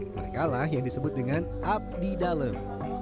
mereka lah yang disebut dengan abdi dalem